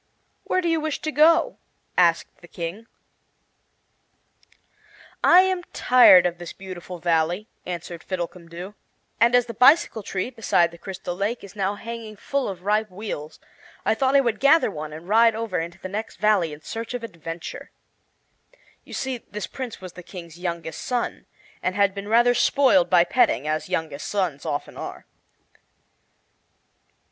"Where do you wish to go?" asked the King. "I am tired of this beautiful Valley," answered Fiddlecumdoo, "and as the bicycle tree beside the Crystal Lake is now hanging full of ripe wheels, I thought I would gather one and ride over into the next valley in search of adventure." You see, this Prince was the King's youngest son, and had been rather spoiled by petting, as youngest sons often are.